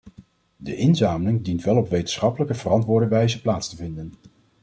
De inzameling dient wel op wetenschappelijk verantwoorde wijze plaats te vinden.